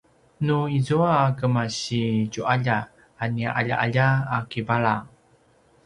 nu izua a kemasitju’alja a nia ’alja’alja a kivala